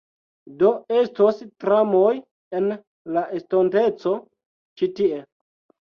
Do, estos tramoj en la estonteco ĉi tie